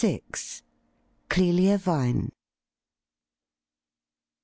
CLELIA VINE.